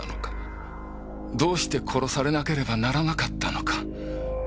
どうして殺されなければならなかったのか。